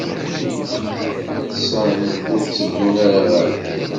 Ɣetsen ur tteddun ara ɣer din.